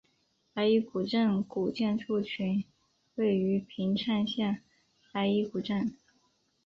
白衣古镇古建筑群位于平昌县白衣古镇。